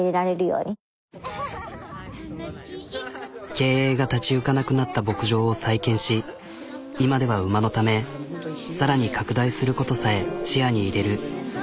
経営が立ち行かなくなった牧場を再建し今では馬のため更に拡大することさえ視野に入れる。